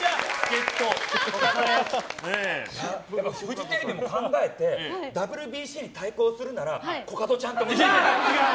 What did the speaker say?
フジテレビも考えてＷＢＣに対抗するならコカドちゃんってね。